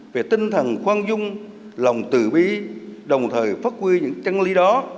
về tinh thần khoan dung lòng tự bi đồng thời phát quy những trang lý đó